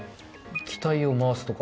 機体を回すとか。